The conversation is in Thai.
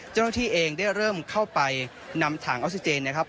เจ้าหน้าที่เองได้เริ่มเข้าไปนำถังออกซิเจนนะครับ